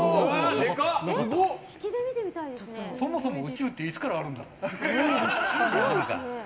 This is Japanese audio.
そもそも宇宙っていつからあるんだろう。